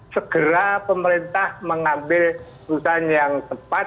segera pemerintah mengambil keputusan yang tepat